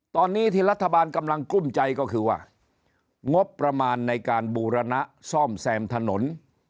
ตอนนี้ที่รัฐบาลกำลังกลุ้มใจก็คือว่างบประมาณในการบูรณะซ่อมแซมถนน